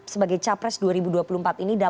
sebagai capres dua ribu dua puluh empat ini